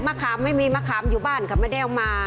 ขามไม่มีมะขามอยู่บ้านก็ไม่ได้เอามา